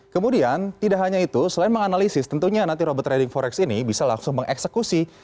kemudian tidak hanya itu selain menganalisis tentunya nanti robot trading forex ini bisa langsung mengeksekusi